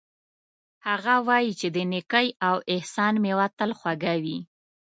هغه وایي چې د نیکۍ او احسان میوه تل خوږه وي